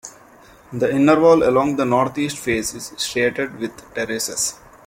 The inner wall along the northeast face is striated with terraces.